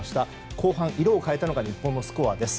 後半、色を変えたのが日本のスコアです。